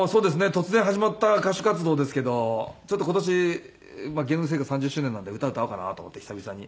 突然始まった歌手活動ですけどちょっと今年芸能生活３０周年なんで歌歌おうかなと思って久々に。